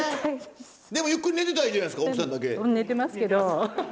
でもゆっくり寝てたらいいじゃないですか奥さんだけ。